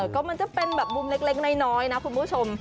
ก็มันจะเป็นแบบมุมเล็กน้อยนะคุณผู้ชม